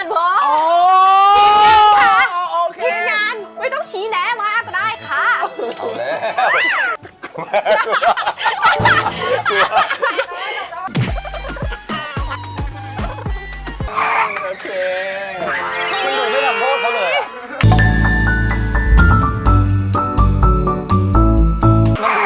ลิปสติกไม่ต้องถ่ายตรงหลังก็ได้